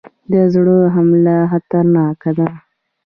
د زړه حمله خطرناکه ده